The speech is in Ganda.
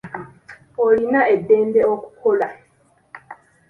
Olina eddembe okukola.